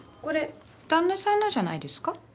これ旦那さんのじゃないですか？